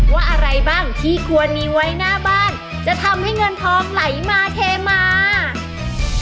ว่าอะไรบ้างที่ควรมีไว้หน้าบ้านจะทำให้เงินทองไหลมาเทมา